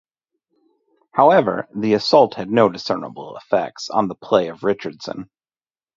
However, the assault had no discernible effects on the play of Richardson.